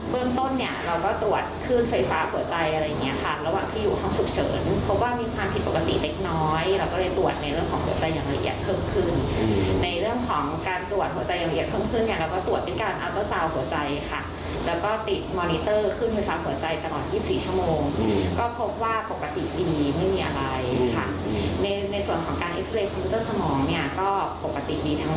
มันก็ไม่ได้มีอะไรผิดปกติ